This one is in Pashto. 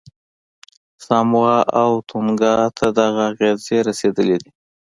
ساموا او تونګا ته دغه اغېزې رسېدلې دي.